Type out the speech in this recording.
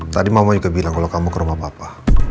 tadi mama juga bilang kalau kamu ke rumah papa